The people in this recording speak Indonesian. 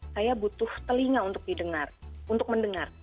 saya butuh telinga untuk mendengar